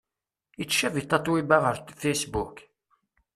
Ittcabi Tatoeba ɣer Facebook?